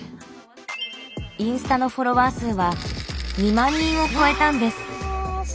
インスタのフォロワー数は２万人を超えたんです。